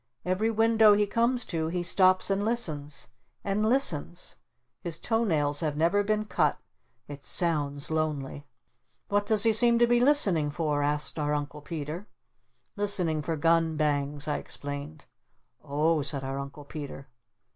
Every window he comes to he stops and listens! And listens! His toe nails have never been cut! It sounds lonely!" "What does he seem to be listening for?" said our Uncle Peter. "Listening for gun bangs," I explained. "O h," said our Uncle Peter.